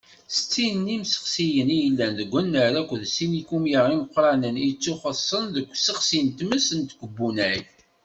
Settin n yimsexsiyen i yellan deg unnar akked sin n yikumya imeqqranen i yettuxeṣṣen deg usexsi n tmes n tkebbunay.